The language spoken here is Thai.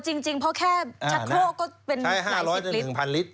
เฮ้ยเออจริงเพราะแค่ชัดโครกก็เป็นหลายสิกลิตร